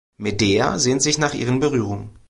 Medea sehnt sich nach ihren Berührungen.